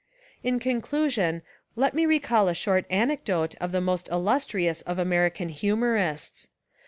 In conclusion, let me recall a short anecdote of the most illustrious of American humourists.